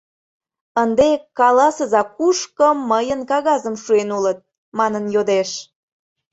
Ынде «каласыза, кушко мыйын кагазым шуэн улыт» манын йодеш.